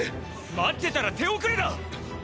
待ってたら手遅れだ！